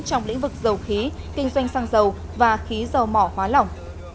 trong lĩnh vực dầu khí kinh doanh xăng dầu và khí dầu mỏ hóa lỏng